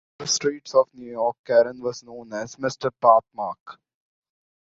On the streets of New York, Karen was known as "Mr. Pathmark".